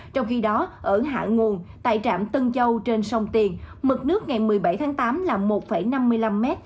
trong khi đó ở hạ nguồn tại trạm tân châu trên sông tiền mực nước ngày một mươi bảy tháng tám là một năm mươi năm m